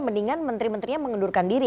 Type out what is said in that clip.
mendingan menteri menterinya mengundurkan diri